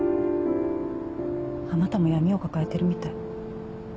あなたも闇を抱えてるみたい。